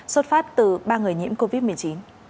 xuất phát từ ba người nhiễm covid một mươi chín